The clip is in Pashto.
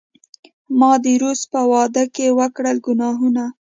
ما د روس په واډکې وکړل ګناهونه